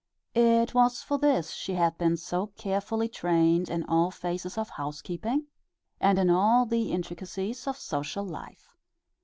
It was for this she had been so carefully trained in all phases of housekeeping, and in all the intricacies of social life.